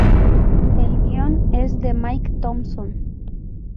El guion es de Mike Thompson.